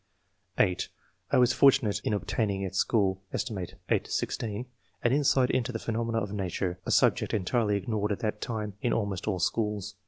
'' (8) "I was fortunate in obtaining at school (set. 8 16) an insight into the phenomena of nature, a subject entirely ignored at that time in almost all schools.